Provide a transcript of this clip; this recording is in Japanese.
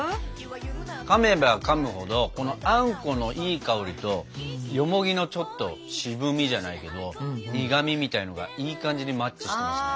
かめばかむほどこのあんこのいい香りとよもぎのちょっと渋みじゃないけど苦みみたいなのがいい感じにマッチしてますね。